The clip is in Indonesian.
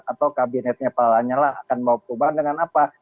atau kabinetnya pak lanyala akan membawa perubahan dengan apa